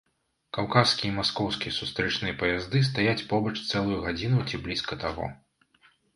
Каўказскі і маскоўскі сустрэчныя паязды стаяць побач цэлую гадзіну ці блізка таго.